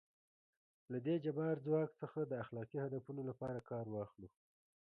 له دې جبار ځواک څخه د اخلاقي هدفونو لپاره کار واخلو.